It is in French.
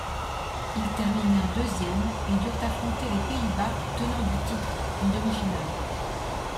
Ils terminèrent deuxièmes et durent affronter les Pays-Bas, tenants du titre en demi-finale.